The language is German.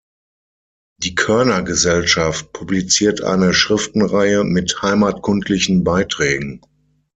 Die Körner-Gesellschaft publiziert eine Schriftenreihe mit heimatkundlichen Beiträgen.